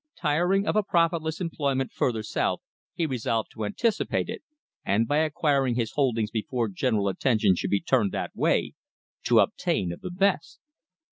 Tiring of a profitless employment further south he resolved to anticipate it, and by acquiring his holdings before general attention should be turned that way, to obtain of the best.